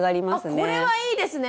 あこれはいいですね。